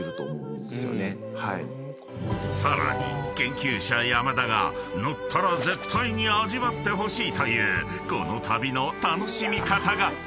［さらに研究者山田が乗ったら絶対に味わってほしいというこの旅の楽しみ方が］